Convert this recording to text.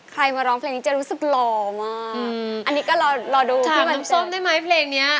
มาร้องเพลงนี้จะรู้สึกหล่อมากอันนี้ก็รอรอดูพี่น้ำส้มได้ไหมเพลงเนี้ย